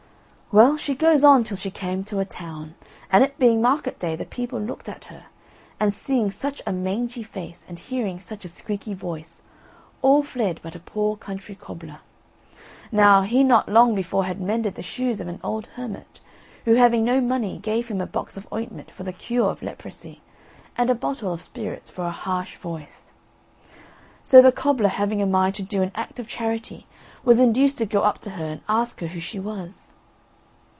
Well, she goes on till she came to a town, and it being market day, the people looked at her, and, seeing such a mangy face, and hearing such a squeaky voice, all fled but a poor country cobbler. Now he not long before had mended the shoes of an old hermit, who, having no money gave him a box of ointment for the cure of the leprosy, and a bottle of spirits for a harsh voice. So the cobbler having a mind to do an act of charity, was induced to go up to her and ask her who she was.